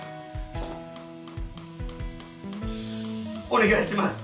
お願いします！